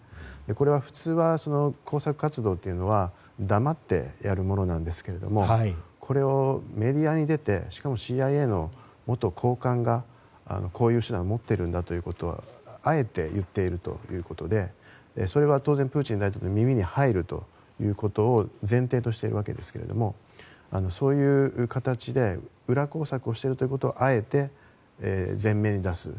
これは普通は工作活動というのは黙ってやるものなんですけれどもこれをメディアに出てしかもＣＩＡの元高官がこういう手段を持っているんだということをあえて言っているということでそれは当然、プーチン大統領の耳に入るということを前提としているわけですけどそういう形で裏工作をしているということをあえて前面に出す。